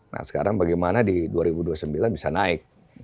nah sekarang bagaimana di dua ribu dua puluh sembilan bisa naik